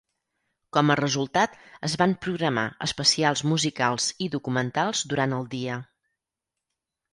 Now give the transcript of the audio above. Com a resultat, es van programar especials musicals i documentals durant el dia.